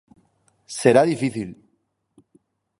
Será difícil.